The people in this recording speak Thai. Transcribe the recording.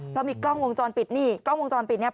เรามีกล้องวงจรปิดนี่